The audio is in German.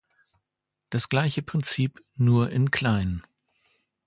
Das gleiche Prinzip, nur in klein.